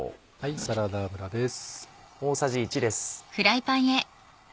サラダ油です。